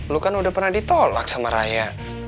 lu kan udah pernah ditolak sama raya